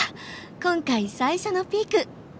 今回最初のピーク。